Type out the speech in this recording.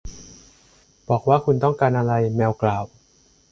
บอกว่าคุณต้องการอะไร แมวกล่าว